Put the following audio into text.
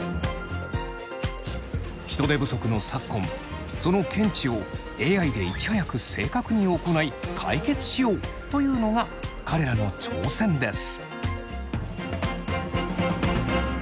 人手不足の昨今その検知をＡＩでいち早く正確に行い解決しようというのが彼らの挑戦です。